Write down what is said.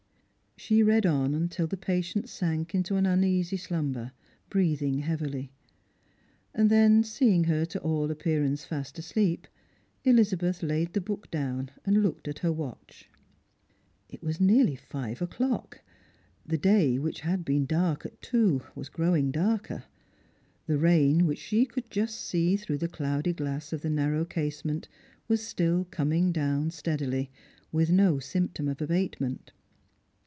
She read on till the patient sank into an uneasy slumber, breathing heavily. And then, seeing her to all appearance fast asleep, Elizabeth laid the book down, and looked at her watch. It was nearly five o'clock ; the day, which had been dark at two, was gi owing darker ; the rain, which she could just see through the cloudy glass of the narrow casement, was still coming down steadily, with no symptom of abatement.